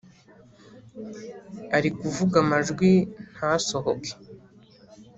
arikuvuga amajwi ntasohoke